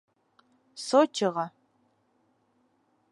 Сочиға.